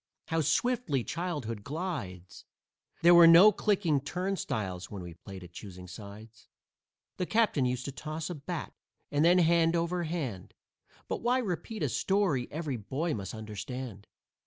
How swiftly childhood glides! There were no clicking turnstiles when we played at "choosing sides." The captains used to toss a bat, and then, hand over hand But why repeat a story every boy must understand?